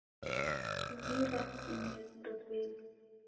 Kuvirasimie vindo vedu.